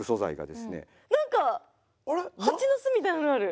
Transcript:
何か蜂の巣みたいなのがある。